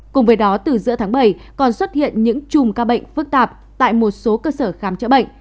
cùng với đó từ giữa tháng bảy còn xuất hiện những chùm ca bệnh phức tạp tại một số cơ sở khám chữa bệnh